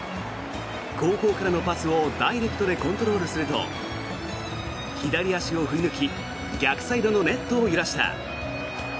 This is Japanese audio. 後方からのパスをダイレクトでコントロールすると左足を振り抜き逆サイドのネットを揺らした。